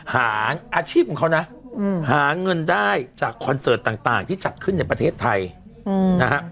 อาชีพของเขานะหาเงินได้จากคอนเสิร์ตต่างที่จัดขึ้นในประเทศไทยนะฮะ